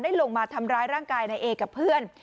ลงมาทำร้ายร่างกายนายเอกับเพื่อน